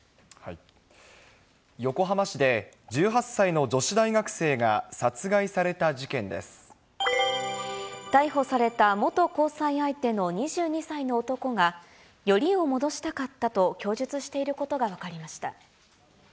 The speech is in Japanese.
横浜市で１８歳の女子大学生逮捕された元交際相手の２２歳の男が、よりを戻したかったと供述していることが分かりました。